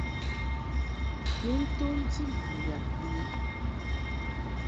Ni tomti mbum yab mɨ.